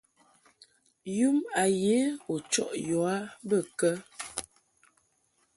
Yum a ye u chɔʼ yɔ a bə kə?